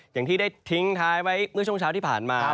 อย่างที่ได้ทิ้งท้ายไว้เมื่อช่วงเช้าที่ผ่านมา